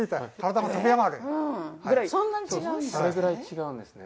それぐらい違うんですね。